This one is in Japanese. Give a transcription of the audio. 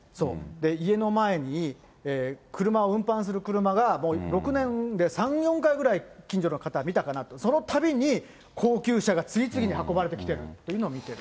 家の前に車を運搬する車がもう６年で３、４回ぐらい、近所の方、見たかなと、そのたびに、高級車が次々に運ばれてきてるというのを見てる。